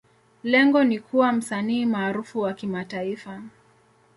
Lengo ni kuwa msanii maarufu wa kimataifa.